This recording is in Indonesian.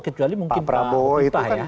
kecuali mungkin pak ipah